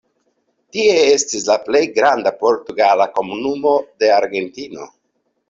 Tie estis la plej granda portugala komunumo de Argentino.